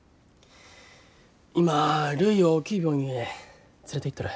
今るいを大きい病院へ連れていっとる。